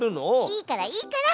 いいからいいから！